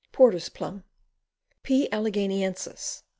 Porter's Plum. P. Alleghaniensis.